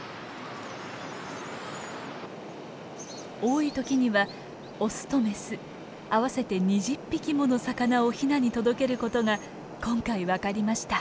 多い時にはオスとメス合わせて２０匹もの魚をヒナに届けることが今回分かりました。